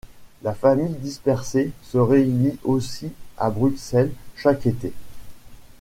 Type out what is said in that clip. La famille dispersée se réunit aussi à Bruxelles chaque été.